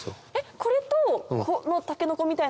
これとこのタケノコみたいな。